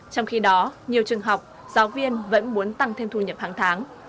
trong khi đó nhiều trường học giáo viên vẫn muốn tăng thêm thu nhập hàng tháng